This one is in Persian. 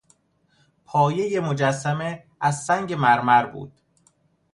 پایهی مجسمه از سنگ مرمر بود.